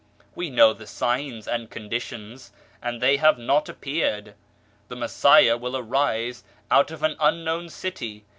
We know the signs and conditions, and they have not appeared* The Messiah will arise out of an unknown City.